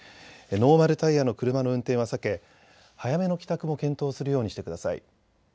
ノーマルタイヤの車の運転は避け早めの帰宅も検討するようにしてください。